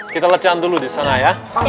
kita lecahan dulu di sana ya